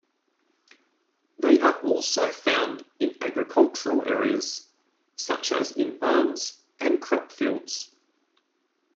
They are also found in agricultural areas, such as in barns and crop fields.